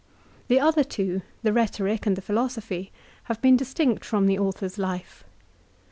The other two, the Ehetoric and the Philosophy, have been distinct from the author's life.